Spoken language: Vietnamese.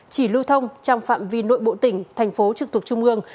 chỉ lưu thông trong phạm vi nội bộ tỉnh thành phố trực tục trung mương